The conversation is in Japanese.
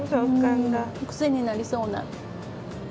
くせになりそうな。